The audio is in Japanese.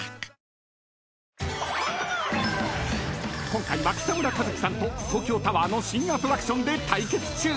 ［今回は北村一輝さんと東京タワーの新アトラクションで対決中］